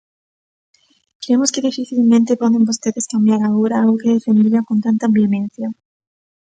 Cremos que dificilmente poden vostedes cambiar agora algo que defendían con tanta vehemencia.